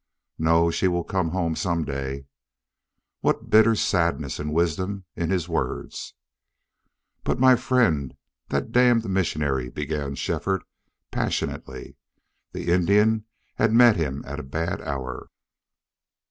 "No. She will come home some day." What bitter sadness and wisdom in his words! "But, my friend, that damned missionary " began Shefford, passionately. The Indian had met him at a bad hour.